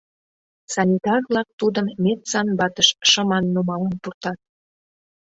Санитар-влак тудым медсанбатыш шыман нумалын пуртат.